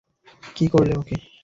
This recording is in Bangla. কী করলে ওকে?